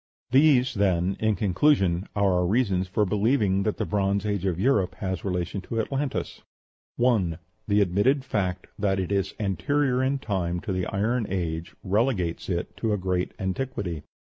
|+++ These, then, in conclusion, are our reasons for believing that the Bronze Age of Europe has relation to Atlantis: 1. The admitted fact that it is anterior in time to the Iron Age relegates it to a great antiquity.